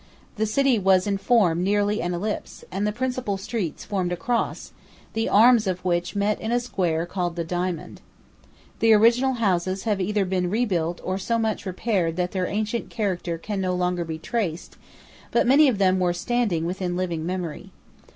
The city was in form nearly an ellipse; and the principal streets formed a cross, the arms of which met in a square called the Diamond. The original houses have been either rebuilt or so much repaired that their ancient character can no longer be traced; but many of them were standing within living memory.